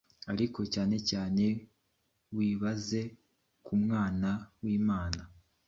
Ariko cyane cyane wibaze kUmwana wImana